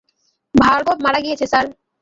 ভার্গব মারা গিয়েছে, স্যার।